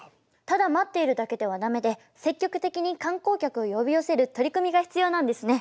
ただ待っているだけではダメで積極的に観光客を呼び寄せる取り組みが必要なんですね。